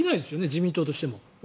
自民党としても。